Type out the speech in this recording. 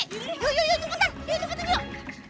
yuk yuk cepetan yuk yuk cepetan yuk